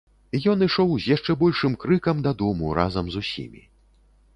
Ён ішоў з яшчэ большым крыкам дадому разам з усімі.